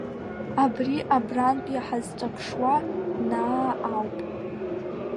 Абри, абрантәи ҳазҿаԥшуа, Наа ауп…